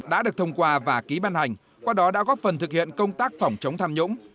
đã được thông qua và ký ban hành qua đó đã góp phần thực hiện công tác phòng chống tham nhũng